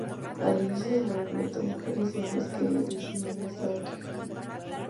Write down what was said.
Al inicio del movimiento, mujeres y hombres me decían que estaba equivocada.